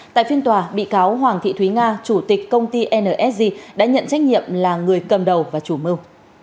tại phiên tòa bị cáo hoàng thị thúy nga chủ tịch công ty nsg đã nhận trách nhiệm là người cầm đầu và chủ mưu